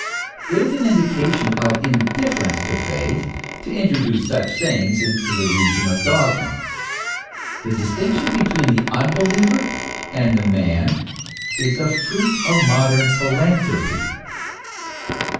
It is an indication of indifference to faith, to introduce such sayings into the region of dogma. The distinction between the unbeliever and the man is a fruit of modern philanthropy.